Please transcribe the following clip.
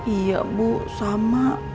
iya bu sama